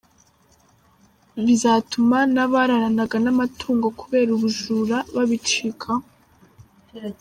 Bizatuma n’abararanaga n’amatungo kubera ubujura babicikaho.